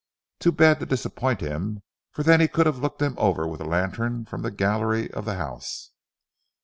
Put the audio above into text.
Too bad to disappoint him; for then he could have looked them over with a lantern from the gallery of the house.